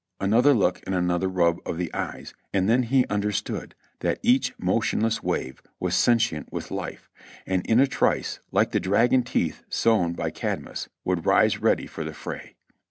Another look and another rub of the eyes and then he understood that each motionless Avave was sentient with life, and in a trice, like the dragon teeth sown by Cadmus, would rise ready for the fray.